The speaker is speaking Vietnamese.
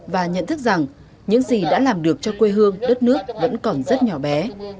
và nhận thức rằng những gì đã làm được cho quê hương đất nước vẫn còn rất nhỏ bé